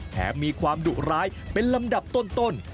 มีความดุร้ายเป็นลำดับต้น